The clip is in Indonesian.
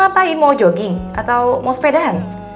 mau ngapain mau jogging atau mau sepeda